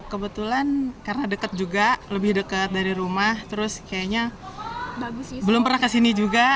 kebetulan karena dekat juga lebih dekat dari rumah terus kayaknya belum pernah kesini juga